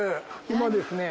今ですね。